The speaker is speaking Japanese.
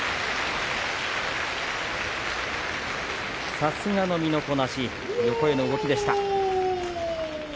さすがの身のこなし横への動きでした。